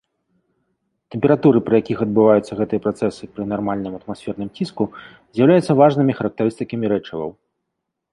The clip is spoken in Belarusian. Тэмпературы, пры якіх адбываюцца гэтыя працэсы пры нармальным атмасферным ціску з'яўляюцца важнымі характарыстыкамі рэчываў.